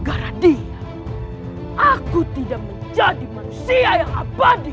karena dia aku tidak menjadi manusia yang abadi